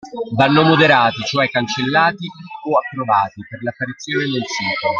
Vanno moderati cioè cancellati o approvati per l'apparizione nel sito.